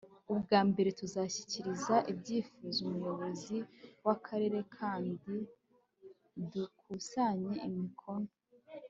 ubwa mbere, tuzashyikiriza icyifuzo umuyobozi w'akarere kandi dukusanye imikono